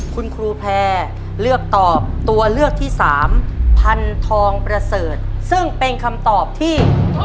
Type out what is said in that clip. คุณครูแพร่เลือกตอบตัวเลือกที่สามพันธองประเสริฐซึ่งเป็นคำตอบที่